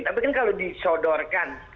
tapi kan kalau disodorkan